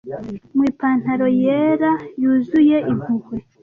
mu ipantaro yera yuzuye impuhwe